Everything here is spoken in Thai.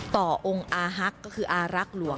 ต่อองค์อารักษ์หลวง